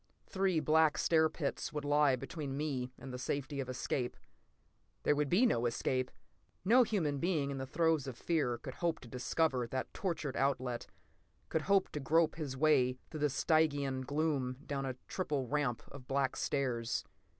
Three black stair pits would lie between me and the safety of escape. There would be no escape! No human being in the throes of fear could hope to discover that tortured outlet, could hope to grope his way through Stygian gloom down a triple ramp of black stairs.